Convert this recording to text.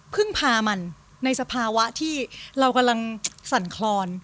พึ่งพามันในสภาวะที่เรากำลังสั่นคลอน